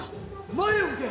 前を向け！